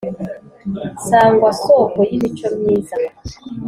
sangwa soko y’imico myiza